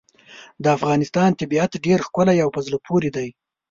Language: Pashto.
د افغانستان طبیعت ډېر ښکلی او په زړه پورې دی.